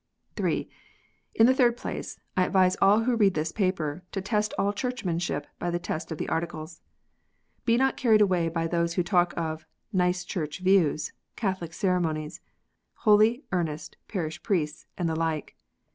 (3) In the third place, I advise all who read this paper to test all Churclimanship by the test of the Articles. Be not carried away by those who talk of "nice Church views," "Catholic ceremonies," "holy, earnest, parish priests," and the like.